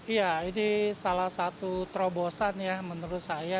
iya ini salah satu terobosan ya menurut saya